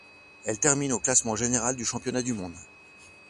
Elle termine au classement général du championnat du monde.